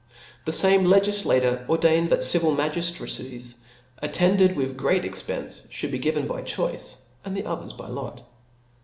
The fame legiflator ordained, that civil magiftra* cies, attended with great ei^pence, ihould be given by choice ; and the others by lot.